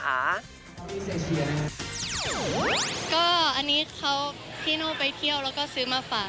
อันนี้เขาพี่โน่ไปเที่ยวแล้วก็ซื้อมาฝาก